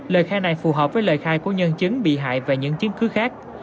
lời khai này phù hợp với lời khai của nhân chứng bị hại và những chứng cứ khác